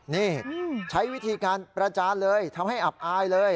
นี่ใช้วิธีการประจานเลยทำให้อับอายเลย